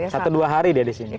satu dua hari dia di sini